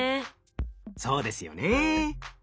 そうですよね。